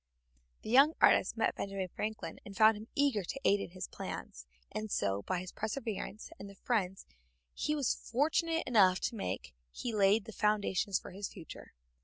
The young artist met Benjamin Franklin and found him eager to aid him in his plans, and so, by his perseverance and the friends he was fortunate enough to make, he laid the foundations for his future.